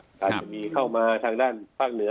ในปีเข้ามาทางด้านฝ้านเหนือ